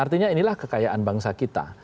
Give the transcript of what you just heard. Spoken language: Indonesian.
artinya inilah kekayaan bangsa kita